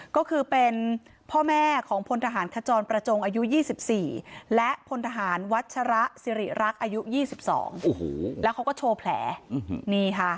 ก็คือเป็นพ่อแม่ของพลทหารขจรประจงอายุ๒๔และพลทหารวัชระสิริรักษ์อายุ๒๒แล้วเขาก็โชว์แผลนี่ค่ะ